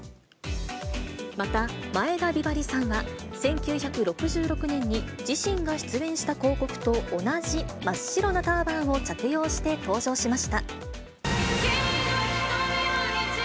また、前田美波里さんは、１９６６年に自身が出演した広告と同じ真っ白なターバンを着用して登場しました。